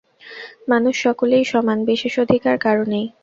মানুষ সকলেই সমান, বিশেষ অধিকার কারও নেই।